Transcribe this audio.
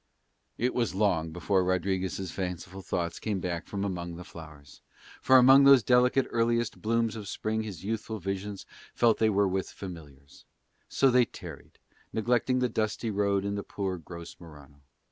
It was long before Rodriguez' fanciful thoughts came back from among the flowers, for among those delicate earliest blooms of Spring his youthful visions felt they were with familiars; so they tarried, neglecting the dusty road and poor gross Morano.